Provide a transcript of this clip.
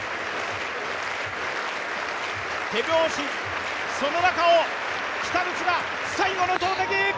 手拍子、その中を北口が最後の投てき。